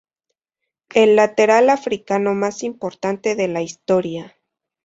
El lateral africano más importante de la historia.